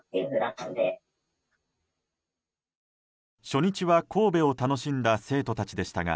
初日は神戸を楽しんだ生徒たちでしたが